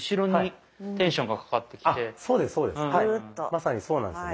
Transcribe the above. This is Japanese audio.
まさにそうなんですよね。